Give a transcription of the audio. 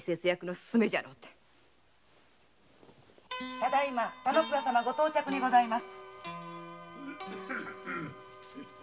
ただ今田之倉様ご到着にございます。